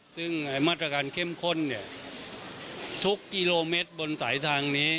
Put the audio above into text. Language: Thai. ซึ่งมาตรการเข้มข้นทุกกิโลเมตรบนสายทางนี้